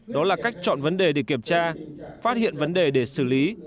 đó là cách chọn vấn đề để kiểm tra phát hiện vấn đề để xử lý